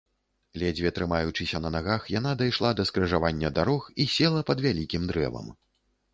Ледзьве трымаючыся на нагах, яна дайшла да скрыжавання дарог і села пад вялікім дрэвам.